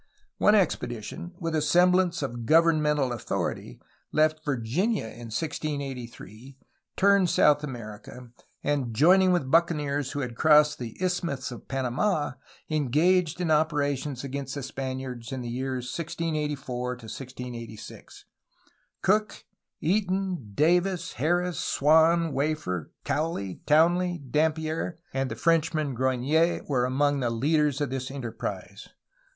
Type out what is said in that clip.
One expedition, with a semblance of governmental authority, left Virginia in 1683, turned South America, and joining with buccaneers who had crossed the Isthmus of Panamd, engaged in opera tions against the Spaniards in the years 1684 1686. Cook, Eaton, Davis, Harris, Swan, Wafer, Cowley, Townley, Dampier, and the Frenchman Grogniet were among the leaders of this enterprise.